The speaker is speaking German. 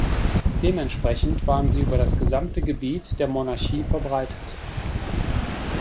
Dementsprechend waren sie über das gesamte Gebiet der Monarchie verbreitet.